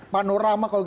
panorama kalau kita lihat